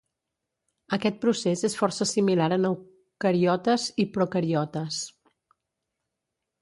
Aquest procés és força similar en eucariotes i procariotes.